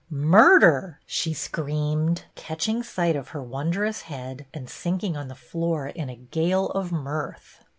"Murder!" she screamed, catching sight of her wondrous head, and sinking on the floor in a gale of mirth.